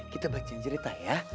kita bacain cerita ya